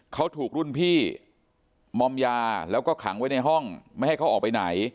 เขาถูกรุ่นพี่มอมยาแล้วก็ขังไว้ในห้องไม่ให้เขาออกไปไหน